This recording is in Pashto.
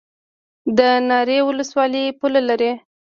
د ناری ولسوالۍ پوله لري